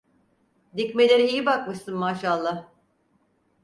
Dikmelere iyi bakmışsın maşallah…